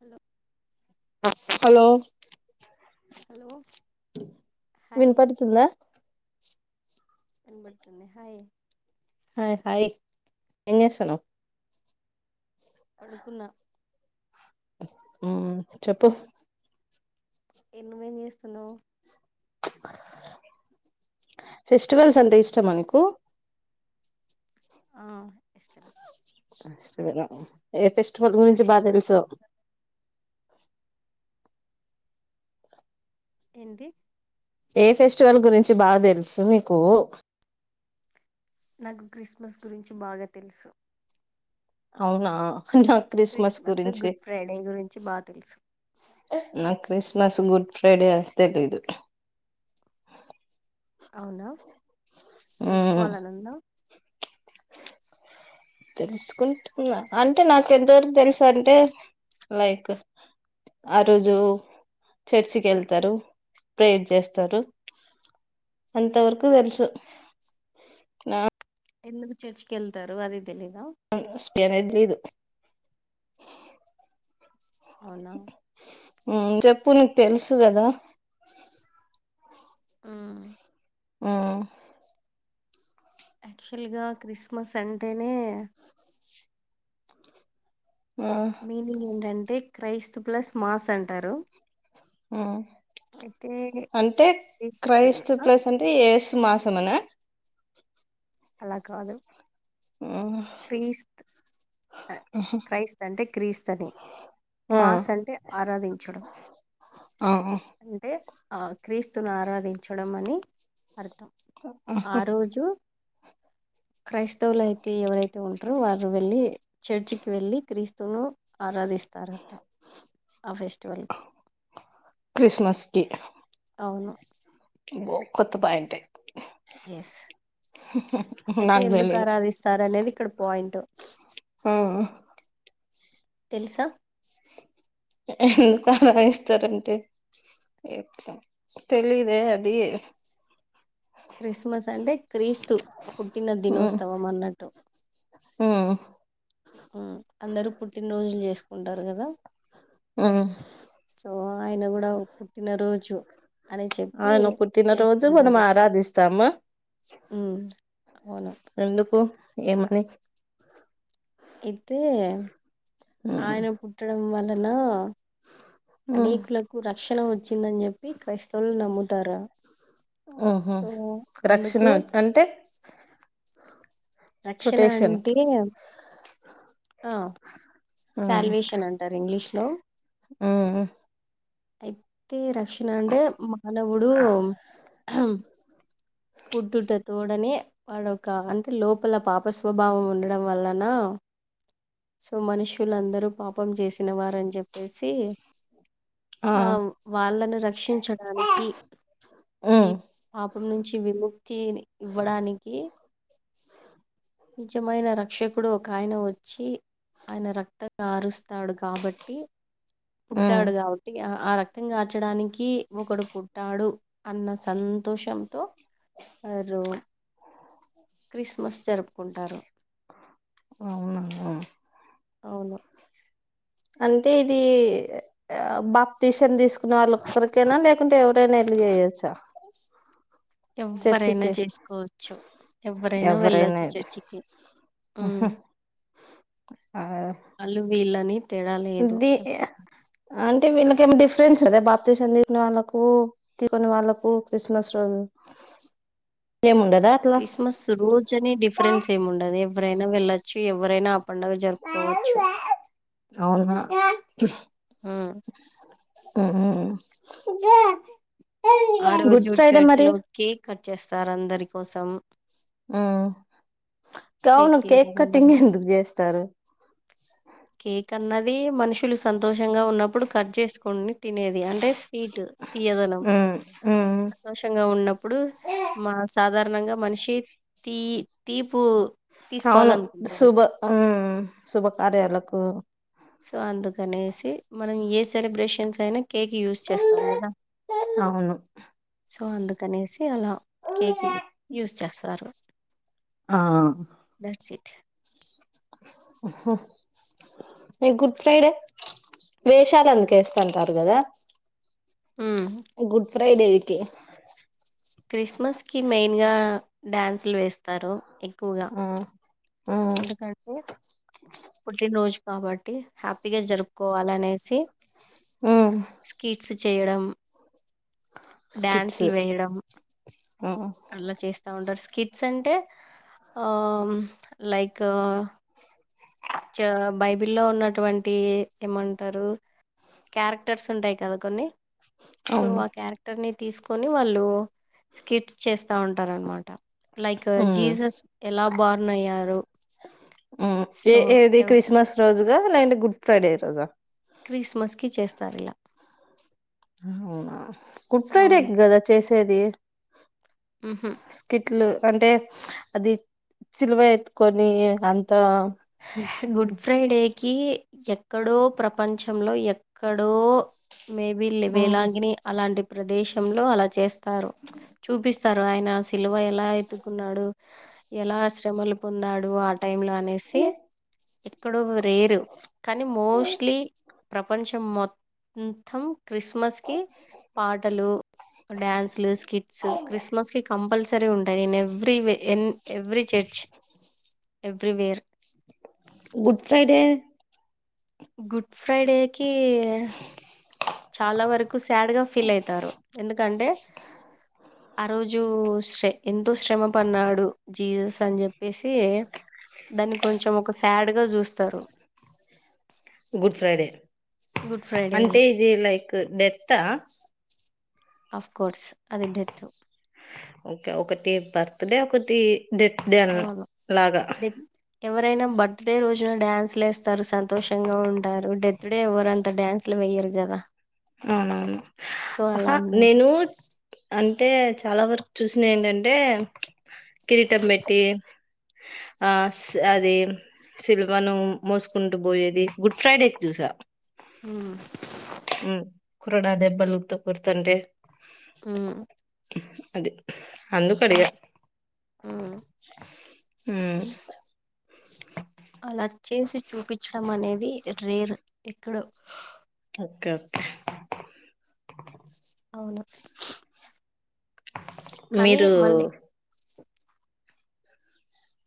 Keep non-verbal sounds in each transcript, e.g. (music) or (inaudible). Hello hello hello hi వినపడుతుందా కనబడుతుంది hi hi hi ఏం జేస్తున్నావ్ పడుకున్నా మ్ చెప్పు ఎన్నవేం చేస్తున్నావు ఫెస్టివల్స్ అంతే ఇష్టమా నీకు ఆ ఇష్టమే కష్టమద ఏ ఫెస్టివల్ ఎవరు గురించి బాగా తెలుసు ఇష్టపడకుండా ఏంటి ఏ ఫెస్టివల్ గురించి బాగా తెలుసు మీకు నాకు క్రిస్మస్ గురించి బాగా తెలుసు అవునా నాకు క్రిస్మస్ గురించి గుడ్ ఫ్రైడే గురించి బా తెలుసు నా క్రిస్మస్ గుడ్ ఫ్రైడే తెలీదు అవునా మ్మ్ తెలుసుకోవాలనిఉందా తెలుసుకుంటున్నా, అంటే నాకు ఎంతవరకు తెలుసు అంటే, లైక్ ఆ రోజు చర్చికి వెళ్తారు ప్రేయర్ చేస్తారు, అంత వరకు తెలుసు నా ఎందుకు చర్చికి వెళ్తారు అదే తెలీదా స్పేన్ ఇదిలీదు అవునా మ్ చెప్పు నీకు తెలుసు కదా ఆ ఆ యాక్చువల్గా క్రిస్మస్ అంటేనే ఆ మీనింగ్ ఏంటం అంటే క్రైస్తు ప్లస్ మాస్ అంటారు అయితే అంటే క్రీస్తు క్రైస్త ఆ, ప్లేస్ అంటే ఏ మాసమనా అలా కాదు ఆ క్రీస్త్ క్రైస్త్ అంటే క్రీస్తని మాస్ ఆ అంటే ఆరాధించడం ఆ అంటే ఆ క్రీస్తును ఆరాధించడం అని కడతాం ఆ రోజు క్రైస్తవులయితే ఎవరైతే ఉంటారో వారు వెల్లి చర్చ్ కి వెళ్ళి క్రీస్తు తును ఆరాధిస్తారట ఫెస్టివల్కి క్రిస్మస్కి అవును బొ కొత్తపాయింటే ఎస్ అయితే నాకు ఎందుకు తెలీదు ఆరాధిస్తారు అనేది ఇక్కడ పాయింట్ ఆ తెలుసా ఎందుకు ఆలాయిస్తారంటే తెలిదే అది క్రిస్మస్ అంటే క్రీస్తు పుట్టిన దినోత్సవం అన్నట్టు ఉ అందరూ పుట్టినరోజులు జేసుకుంటారు కదా ఆ సో ఆయన కూడా పుట్టినరోజు అని చెప్పి ఆయన పుట్టినరోజు మనం చేసుకుంటారు ఆరాధిస్తామా ఉమ్ అవును ఎందుకు ఏ మని అయితే ఉమ్ ఆయన పుట్టడం వల్ల అలా ఉమ్ అనేకులకు రక్షణ వచ్చిందని జెప్పి క్రైస్తవులు నమ్ముతారా ఓహో రక్షణ అంటే రక్షణ ప్రొటెక్షన్ అంటే ఆ శల్వేషన్ అంటారు ఇంగ్లీష్ లో హలో ఉ అయితే ర క్షిన అంటే మానవుడు పుట్టుట ఉడనే వాడొ ఒక అంటే లో లోపల పాప స్వభావం ఉండడం వలన సో మనుషులుందరూ పాపం చేసినవారని చెప్పేసి ఆ వాళ్ళను రక్షించడానికి ఈ హ్మ్. పాపం నుంచి విముక్తి ఇవ్వడానికి నిజమైన రక్షకుడు ఒక ఆయన వచ్చి ఆయన రక్త కారుస్తాడు కాబట్టి హ్మ్. పుట్టాడు గా ఆ రక్తం కాార్చడానికి ఒకడు పుట్టాడు అన్న సంతోషంతో వారు క్రిస్మస్ జరుపుకుంటారు అవునా అవును అవును అంటే ఇది ఆ బాప్తసన్ తీసుకు వాళ్ళ ఒక్కరికైనా లేకుంటే ఎవరైనా వెళ్ళి చేయొచ్చా ఎవ్వరైనా చర్చికి? చేసుకోవచ్చు ఎవ్వరైనా ఎవరైనా వెళ్ళొచ్చు ఎల్ చర్చికి ఆహా! ఆ! అలు వీళ్ళన్ ని తేడా లేదు ది అంటే వీళ్ళకి ఏమో డిఫరెన్స్ అదా బాప్తిస్ట్ అందిని వాళ్ళకు తీకుని వాళ్ళకు క్రిస్మస్ రోజు ఏముండదా అట్లా? క్రిస్మస్ రోజని డిఫరెన్స్ ఏమి ఉండదు ఎవరైనా వెళ్ళొచ్చు ఎవరైనా పండుగ జరుపుకోవచ్చు అవునా! ఉ ఊ ఆ రోజు చర్చి లో కేక్ కట్ చేస్ తారు అందరి కోసం ఉ కావును కేక్ కట్టింగ్ ఎందుకు చేస్తారు కేక్ అన్నది మనుషులు సంతోష్ గా ఉన్నప్పుడు కట్ చేసుకొని తినేది అంటే స్వీట్ తియ్యదనం హ్మ్. హ్మ్. సంతోషంగా ఉన్నప్పుడు మా సాధారణంగా మనిషి తీ తీపు అవును తీసుకోవాలనుకుంటాడు. శుభ ఆ శుభ సో, కార్యాలకు సో అందుకనేసి మనం ఏ సెలబ్రేషన్స్ అయినా కేక్ యూస్ చేస్తాం కదా అవును సో అందుకనేసి ఎ అలా కేక్ యూస్ చేస్తారు ఆ దట్స్ ఇట్ గుడ్ ఫ్రైడే వేషాలు అందుకేస్తుంటారు కదా ఉమ్, గుడ్ ఫ్రైడేకి క్రిస్మస్కి మెయిన్గా డ్యాన్సులు వేస్తారు ఎక్కువగా ఆ ఆ ఎందుకంటే పుట్టినరోజు కాబట్టి హ్యాపీగా జరుపుకోవాలనేసి ఆ స్ చేయడం స్కిట్స్ డ్యాన్సులు వేయడం మ్మ్ అలా చేస్ ౌండర్ స్కిట్స్ అంటే ఆ లైక్ చ బైబి లో ఉన్నటువంటి ఏమంటారు క్యారెక్టర్స్ ఉంటాయి కదా కొన్ని సో అవును ఆ క్యారెక్టర్ ని తీసుకొని వాళ్ళు స్కిట్స్ చేస్ ా ఉంటారు అనమాట లైక్ మ్మ్ జీసస్ ఎలా బర్న్ అయ్యారు సో ది ఎవ్ క్రిస్మస్ రోజు అ అ గుడ్ ఫైడే రాజా క్రిస్మస్ కి చేస్తా సర్లా అవునా గుడ్ ఫ్రైడే అవును. కదా చేసి సది హుహు. స్కిట్లు అంటే అది చిలువ ఎత్తుకొని అంత త కి ఎక్కడో ప్రపంచంలో ఎక్కడో మేబి లే మ్మ్ వేలాంగిని అలాంటి ప్రదేశ లో అలా చేస్త చూపిస్త స్తారు ఆయన శిలువ ఎలా ఎత్తుకున్నాడు ఎలా ఆశ్రమలు పొందాడు ఆ టై లో అని కానీ మోట్ ప్ర చె మథం క్రిస్మస్ కి పాటలు డ్యాన్సులు స్కిట్స్ క్రిస్మస్ కి కంపల్సరీ ఉంటాయి నేను ఎవ్రీ ఎన్ every church a ప్ర్రివేర్ Good Friday గు ఫ్రైడేకి చాలా వరకు శాడ్ గా ఫీల్ అయితారు ఎందుకంటే ఆ రోజు శ్ర ఎంతో శ్రమ పడ్న్నాడు జీజస్ అని చెప్పేసి దాన్ని కొంచెం ఒక శాడ్ గా చూస్తారు గుడ్ ఫ్రైడే గుడ్ ఫ్రైడేని అంటే ఇది లైక్ డెత్ అఫ్ కోర్స్ అదింటెత్ ఓకే ఒకటి బర్త్డే ఒకటి డెట్ దను అవును లాగా డెత్ ఎవరైనా బర్త్ డే రోజున డ్యాన్సులు వేస్తారు సంతోషంగా ఉంటారు డెత్ డే ఎవరుంత డ్యాన్సులు వయ్యరు కదా సో అలా అవునవునుహా అన్నమాట నేను అంటే చాలా వరకు చూసిన ఏంటంటే కిరీటం పెట్టి ఆ అది సిల్వను మోసుకుంటూ పోయేది గుడ్ ఫ్రైడేకి చూసా అ కురడా దెబ్బలు త కూర్తండ్రి ఆ అదే అందు కడయా ఉమ్. అలా చేసి చూపించడం అనేది రేర్ ఇక్కడ ఓకే ఓకే అవును కానీ మీరు మళ్ళీ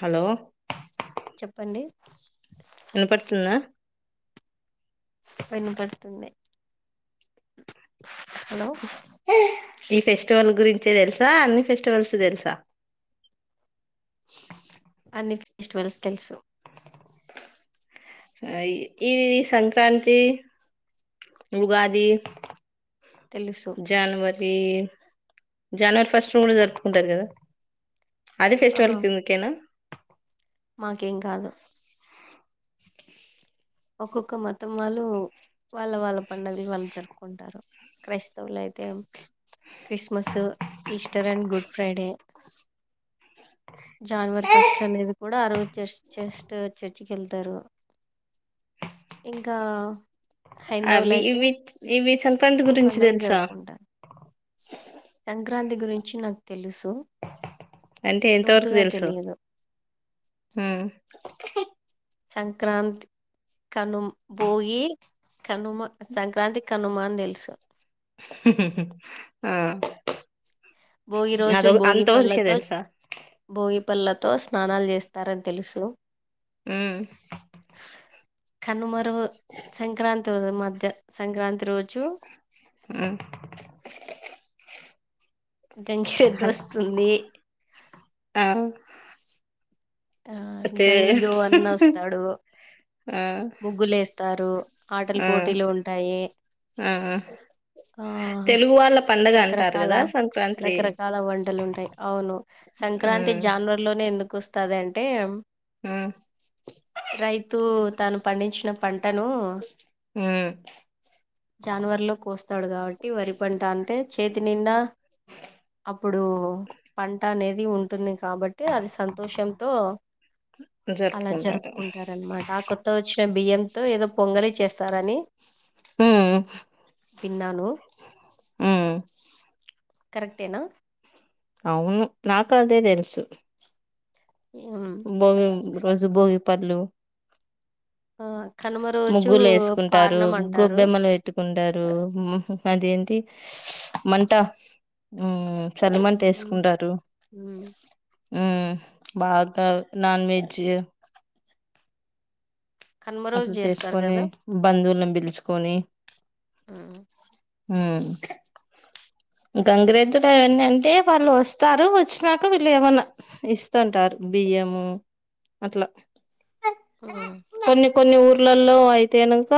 హలో చెప్పండి ఎన్న పడుతున్నా పని పడుతుంది హే ఈ ఫెస్టివల్ గురించే తెలుసా అన్ని ఫెస్టివల్స్ తెలుసా అన్ని ఫెస్టివల్స్ తెలుసు ఆ ఈ సంక్రాంతి ఉగాది తెలుసు జనవరి జనవరి ఫస్ట్ ను కూడా జరుపుకుంటారు కదా అది ఆ ఫెస్టివల్ కిందికేనా మాకేం కాదు ఒక్కొక్క మతం వాళ్ళు వాళ్ళ వాళ్ళ పండగలు వాళ్ళు జరుపుకుంటారు. క్రైస్తవులు అయితే Christmas, Easter and Good Friday January first అనేది కూడా అరు చర్చ్ చస్ట్ చర్చికి వెళ్తారు ఇంకా అవి హైందవులైతే ఇవి ఇవి చ ఫ్రెండ్ గురించి తెలుసా సంక్రా అంతి గురించి నాకు తెలుసు అంటే ఎంతవరకు లోతుగా తెలుసు తెలియదు. సంక్రాంత్ కను భోగి కనుమ సంక్రాంతి కనుమా అని తెలుసు ఆ భోగి రోజు అద అంత వరకే భోగిపళ్ళతో తెలుసా భోగి పండ్లతో స్నానాలు చేస్తారని తెలుసు కనుమ రో సంక్రాంతి మధ్య సంక్రాంతి రోజు ఉ జంక్ పెద్ద వస్తుంది ఆ ఆ అయితే గంగి గోవర్ధన వస్తాడు ఆ ముగ్గులు వేస్తారు ఆటల ఆ పోటీలు ఉంటాయి ఆ ఆ తెలుగు వాళ్ళ పండగ అంటారు రకరకాల కదా సంక్రాంతి రకరకాల వంటలు ఉంటాయి అవును ఆ సంక్రాంతి జానవరీ లోనే ఎందుకు కోస్తాది అంటే ఆ రైతు తను పండించిన పంట పంటను హ్మ్ జానవరిలో కోస్తాడు కాబట్టి వరి పంట అంటే చేతి నిండా అప్పుడు పంటనే అది (unintelligible) ఉంటుంది కాబట్టి అది సంతోషంతో అలా జరుపుకుంటారు అన్నమాట ఆ కొత్త వచ్చిన బియ్యంతో ఏదో పొంగలి చేస్తారని హ్మ్. విన్నాను ఆ కరెక్టేనా అవును నాకు అదే తెలుసు ఉమ్. బంగ్ రోజు భోగి పర్లు ఆ కనుమ రోజు పారణం అంటారు కుండారు అది ఏంటి అంతా ఊ చలిమంట ఉమ్ ఎసుకుంటారు ఉమ్. ఉ బాగ్ అయ్ నాన్ వెెజ్ కనుమ రోజు అట్లా చేస్తారు చేసుకొని కదా బంధువులను పిలుచుకొని ఆ హ గంగిరేద్దులు ఏంది అంటే వాళ్ళు వస్తారు వచ్చినాక వీళ్ళు ఏమన్నా ఇస్తాంటారు బియ్యము అట్లా ఆ కొన్ని కొన్ని ఊర్లలో అయిపొయినాంక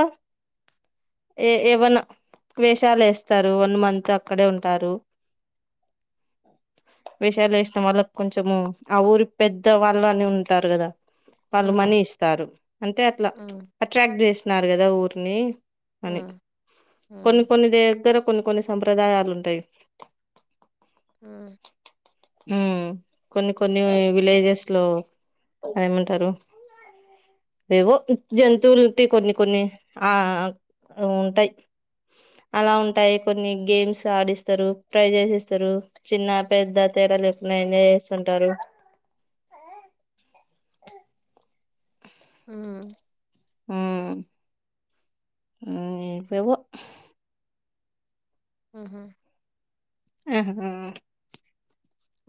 ఏ ఏవన్నా వేషాలు వేస్తారు వన్ మంత్ అక్కడే ఉంటారు. వేషాలు వేసిన వాళ్ళకు కొంచెము ఆ ఊరి పెద్ద వాళ్ళని ఉంటారు కదా వాళ్ళు ఉమ్, మనీ ఇస్తారు అంటే అట్లా ఉమ్, అట్రాక్ట్ చేస్ న్నారు కదా ఊరిని అని ఉమ్, ఉమ్, కొన్ని కొన్ని దగ్గర కొన్ని కొన్ని సంప్రదాయాలు ఉంటాయి గా ఆ కొన్ని కొన్ని విలేజెస్ లో ఏమంటారు. ఎవో జంతువుల కొన్ని కొన్ని ఆ ఆ ఉంటాయి అలా ఉంటాయి కొన్ని గేమ్స్ ఆడిస్తారు ప్రైజ్ స్ ఇస్తారు. చిన్న పెద్ద తేడా లేకుండా ఎంజయ్ చేస్తుంటారు అవున హ ఇప్పుే (inaudible) ఆహా ఆహ హ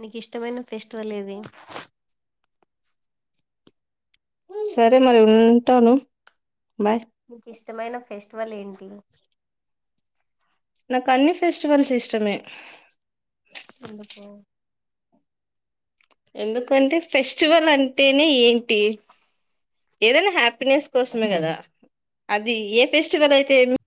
నీకు ఇష్టమైన ఫెస్టివల్ ఇది సరే మరి ఉంటాను బాయ్ మీకు ఇష్టమైన ఫెస్టివల్ ఏంటి నాకు అన్ని ఫెస్టివల్స్ ఇష్టమే. ఎందుకు? ఎందుకంటే ఫెస్టివల్ అంటేనే ఏంటి? ఏదైనా హ్యాపీనెస్ కోసమే గదా! అది ఏ ఫెస్టివల్ అయితే ఏమ్